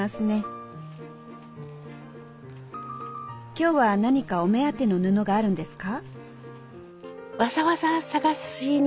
今日は何かお目当ての布があるんですか？